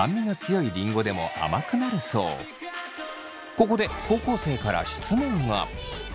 ここで高校生から質問が。